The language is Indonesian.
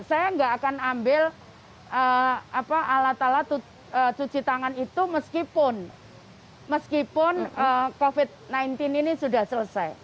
saya nggak akan ambil alat alat cuci tangan itu meskipun covid sembilan belas ini sudah selesai